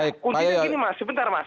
kunci yang gini mas sebentar mas